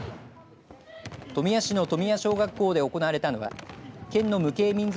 富谷市の富谷小学校で行われたのは県の無形民俗